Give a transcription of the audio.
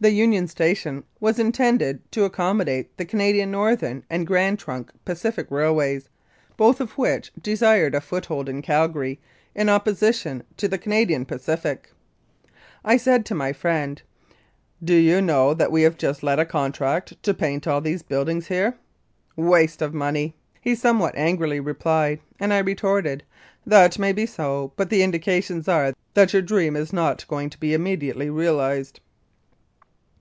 The union station was intended to accommodate the Canadian Northern and Grand Trunk Pacific Railways, both of which desired a foothold in Calgary in opposition to the Canadian Pacific. I said to my friend, "Do you know that we have just let a contract to paint all these build ings here?" "Waste of money," he somewhat angrily replied, and I retorted, "That may be so, but the indica tions are that your dream is not going to be immediately realised."